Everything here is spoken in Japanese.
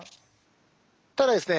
ただですね